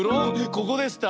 ここでした。